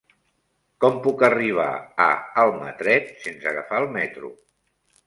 Com puc arribar a Almatret sense agafar el metro?